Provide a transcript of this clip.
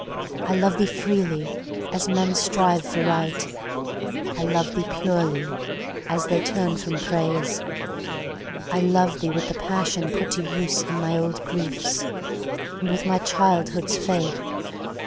I love thee freely, as men strive for Right; I love thee purely, as they turn from Praise. I love thee with the passion put to use In my old griefs, and with my childhood's faith.